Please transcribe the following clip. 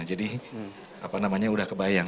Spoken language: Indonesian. jadi apa namanya sudah kebayang